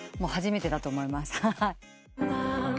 初めてだと思います。